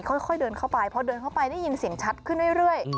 พอเดินเข้าไปได้ยินเสียงชัดขึ้นเรื่อย